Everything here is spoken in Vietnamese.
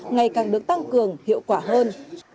ngày càng được tăng cường hiệu quả hơn